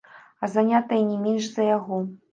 А занятая не менш за яго.